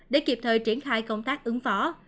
để kịp thời triển khai công tác ứng phó